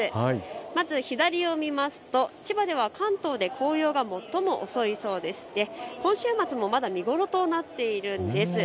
まず左を見ますと千葉では関東では最も紅葉が遅いそうで今週末もまだ見頃となっているようです。